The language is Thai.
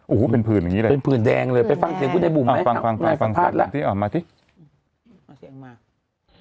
โอ้โหเป็นผื่นอย่างนี้เลยเป็นผื่นแดงเลยไปฟังเสียงคุณแม่บุ้มมาสัมภาษณ์ละฟังมาสัมภาษณ์อ๋อมาสัมภาษณ์